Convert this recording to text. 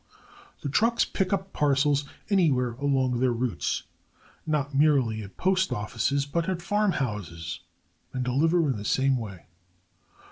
The trucks pick up parcels anywhere along their routes not merely at postoffices, but at farmhouses and deliver in the same way.